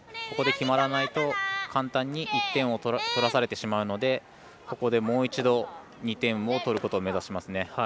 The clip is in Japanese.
ここで決まらないと簡単に１点を取らされてしまうのでここでもう一度、２点を取ることを目指しますね。